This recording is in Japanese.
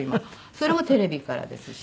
それもテレビからですし。